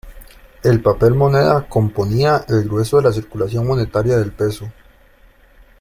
El papel moneda componía el grueso de la circulación monetaria del peso.